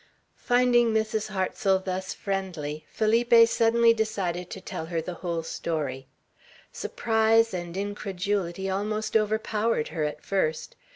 Finding Mrs. Hartsel thus friendly, Felipe suddenly decided to tell her the whole story. Surprise and incredulity almost overpowered her at first.